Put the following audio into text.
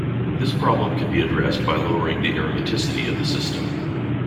This problem can be addressed by lowering the aromaticity of the system.